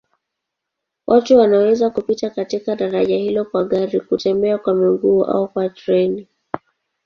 Watu wanaweza kupita katika daraja hilo kwa gari, kutembea kwa miguu au kwa treni.